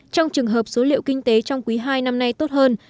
trong trường hợp số liệu kinh tế trong quý hai năm nay tốt hơn